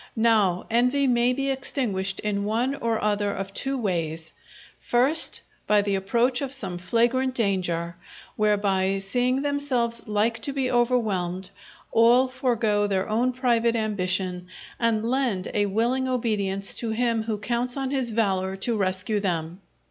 Now, envy may be extinguished in one or other of two ways: first, by the approach of some flagrant danger, whereby seeing themselves like to be overwhelmed, all forego their own private ambition and lend a willing obedience to him who counts on his valour to rescue them.